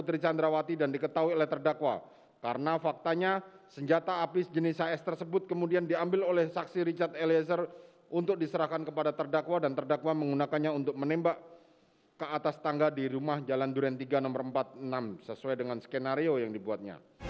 terdapat perbuatan permulaan yang diawali dengan saksi riki rizal wibowo mengamankan senjata api hs milik korban nofriansah